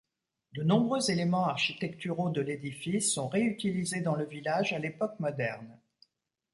De nombreux éléments architecturaux de l'édifice sont réutilisés dans le village à l'époque moderne.